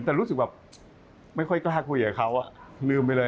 แต่รู้สึกแบบไม่ค่อยกล้าคุยกับเขาลืมไปเลย